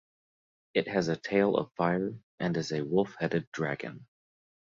It has a tail of fire and is a wolf-headed dragon.